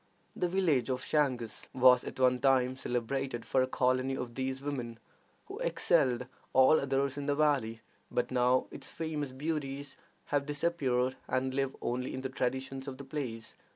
The village of Changus was at one time celebrated for a colony of these women, who excelled all others in the valley; but now its famous beauties have disappeared, and live only in the traditions of the place.